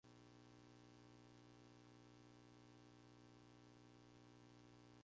McGregor fue auspiciada en el show por Sharon Osbourne.